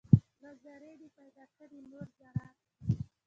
له ذرې دې پیدا کړي نور ذرات دي